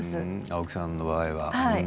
青木さんの場合はね。